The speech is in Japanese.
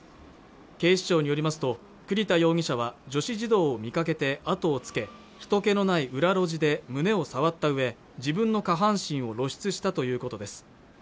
警視庁によりますと栗田容疑者は女子児童を見かけてあとをつけ人気のない裏路地で胸を触ったうえ自分の下半身を露出したということです